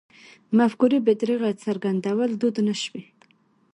مفکورې بې درېغه څرګندول دود نه شوی.